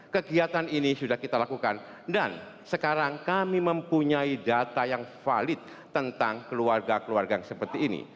kegiatan ini sudah kita lakukan dan sekarang kami mempunyai data yang valid tentang keluarga keluarga yang seperti ini